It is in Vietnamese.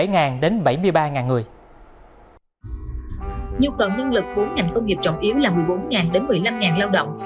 nhu cầu nhân lực của ngành công nghiệp trọng yếu là một mươi bốn một mươi năm lao động